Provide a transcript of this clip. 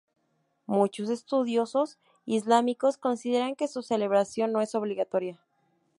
Muchos estudiosos islámicos consideran que su celebración no es obligatoria.